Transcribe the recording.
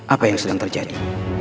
apa yang sedang terjadi